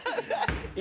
今。